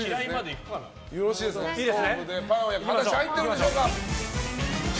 果たして入ってるでしょうか。